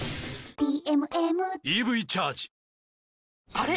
あれ？